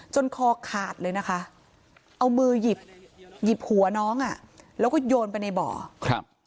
คอขาดเลยนะคะเอามือหยิบหยิบหัวน้องอ่ะแล้วก็โยนไปในบ่อครับ